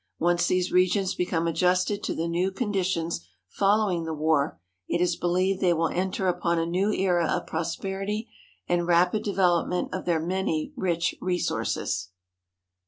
Once these regions become adjusted to the new con ditions following the war, it is believed they will enter upon a new era of prosperity and rapid development of their many rich resources.